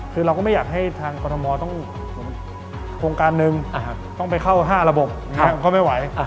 คือเราก็ไม่อยากให้ทางกรทมต้องโครงการหนึ่งต้องไปเข้า๕ระบบก็ไม่ไหว